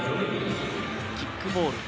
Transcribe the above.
キックボール。